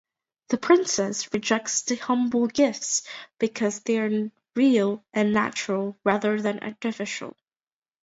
The princess rejects the humble gifts because they're real and natural, rather than artificial.